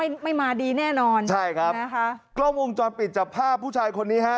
ไม่ไม่มาดีแน่นอนใช่ครับนะคะกล้องวงจรปิดจับภาพผู้ชายคนนี้ฮะ